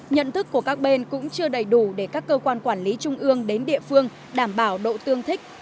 nhận thức của các bên cũng chưa đầy đủ để các cơ quan quản lý trung ương đến địa phương đảm bảo độ tương thích